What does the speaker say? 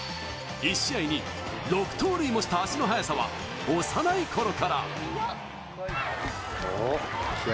１試合に６盗塁もした足の速さは幼いころから。